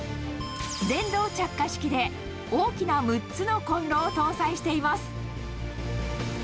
電動着火式で、大きな６つのコンロを搭載しています。